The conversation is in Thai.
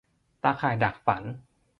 ตาข่ายดักฝัน